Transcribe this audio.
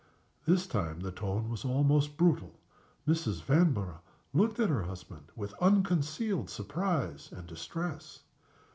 This time the tone was almost brutal. Mrs. Vanborough looked at her husband with unconcealed surprise and distress.